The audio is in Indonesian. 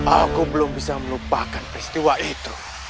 aku belum bisa melupakan peristiwa itu